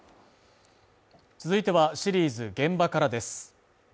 続いては、シリーズ「現場から」です。